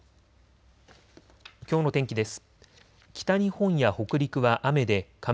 きょうの天気です。